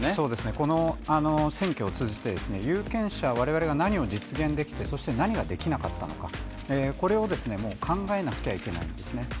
この選挙を通じて有権者、我々が何が実現できてそして何ができなかったのか、これを考えなくてはいけないんですね。